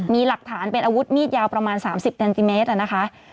มีหลักฐานเป็นอาวุธมีดยาวประมาณ๓๐เซนติเมตรนะคะ